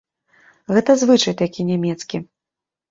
Гэта звычай такі нямецкі.